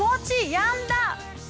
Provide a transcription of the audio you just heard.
やんだ！